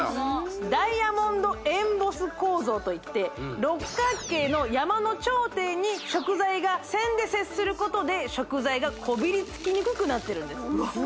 ダイヤモンドエンボス構造といって６角形の山の頂点に食材が線で接することで食材がこびりつきにくくなってるんです